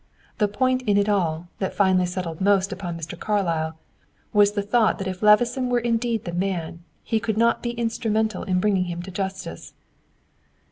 The point in it all, that finally settled most upon Mr. Carlyle, was the thought that if Levison were indeed the man, he could not be instrumental in bringing him to justice.